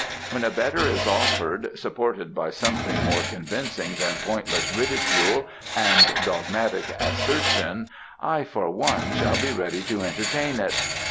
When a better is offered, supported by something more convincing than pointless ridicule and dogmatic assertion, I for one, shall be ready to entertain it.